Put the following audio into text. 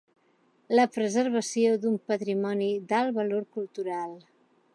La preservació d'un patrimoni d'alt valor cultural.